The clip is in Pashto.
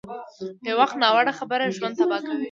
یو وخت ناوړه خبره ژوند تباه کوي.